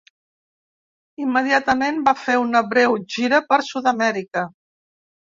Immediatament va fer una breu gira per Sud-amèrica.